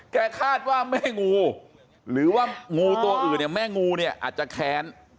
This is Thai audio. แกคาดว่าแม่งูหรือว่างูตัวอื่นแม่งูจะแค้น